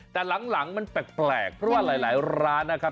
แต่หลังมันแปลกเพราะว่าหลายร้านนะครับ